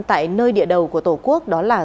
tại nơi địa đầu của tổ quốc đó là